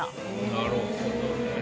なるほどね。